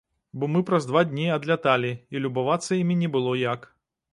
Бо мы праз два дні адляталі і любавацца імі не было як.